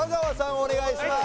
お願いします